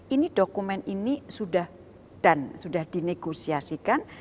ini dokumen ini sudah dan sudah dinegosiasikan